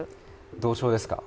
同調ですか？